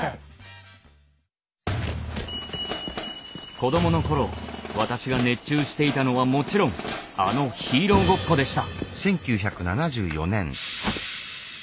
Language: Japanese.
子どもの頃私が熱中していたのはもちろんあのヒーローごっこでした。